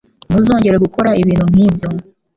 Ntuzongere gukora ibintu nkibyo.